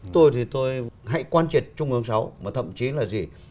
tôi thì tôi hãy quan triệt trung ương sáu mà thậm chí là gì